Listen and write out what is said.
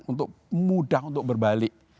untuk mudah untuk berbalik